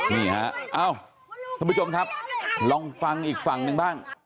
นี่ฮะเอ้าท่านผู้ชมครับลองฟังอีกฝั่งหนึ่งบ้าง